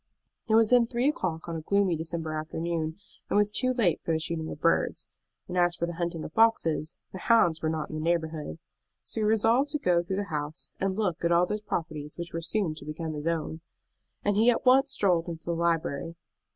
It was then three o'clock on a gloomy December afternoon, and was too late for the shooting of birds; and as for the hunting of foxes, the hounds were not in the neighborhood. So he resolved to go through the house, and look at all those properties which were so soon to become his own. And he at once strolled into the library.